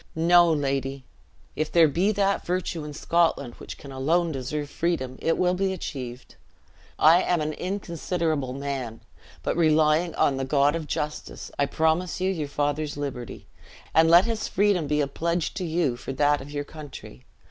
"No, lady, if there be that virtue in Scotland which can alone deserve freedom, it will be achieved. I am an inconsiderable man, but relying on the God of Justice, I promise you your father's liberty; and let his freedom be a pledge to you for that of your country.